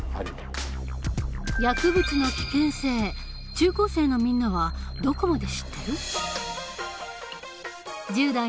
中高生のみんなはどこまで知ってる？